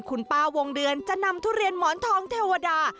คุณป้าวงเดือนจะนำทุเรียนหมอนทองเทวดา